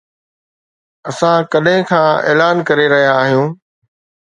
اسان ڪڏهن کان اعلان ڪري رهيا آهيون